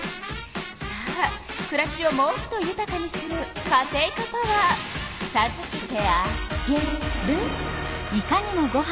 さあくらしをもっとゆたかにするカテイカパワーさずけてあげる。